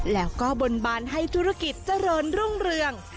แล้วก็บนบานให้ธุรกิจเจริญรุ่งเรือง